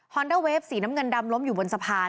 อนเดอร์เวฟสีน้ำเงินดำล้มอยู่บนสะพาน